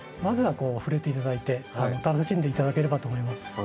まずは触れて頂いて楽しんで頂ければと思います。